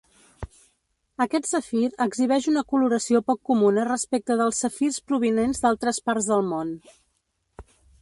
Aquest safir exhibeix una coloració poc comuna respecte dels safirs provinents d'altres parts del món.